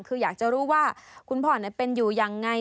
คืออยากจะรู้ว่าคุณพ่อเป็นอยู่ยังไง